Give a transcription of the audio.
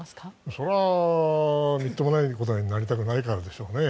それはみっともないことになりたくないからでしょうね。